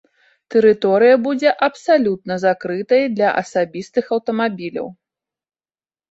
Тэрыторыя будзе абсалютна закрытай для асабістых аўтамабіляў.